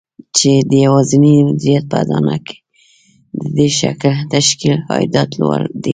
چې د يوازېني مديريت په اډانه کې د دې تشکيل عايدات لوړ دي.